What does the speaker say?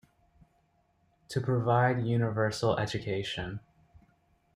To provide universal education.